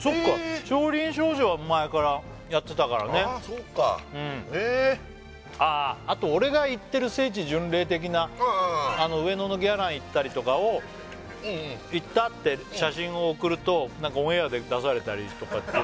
そうかへえあと俺が行ってる聖地巡礼的な上野のギャラン行ったりとかを行ったって写真を送るとオンエアで出されたりとかっていう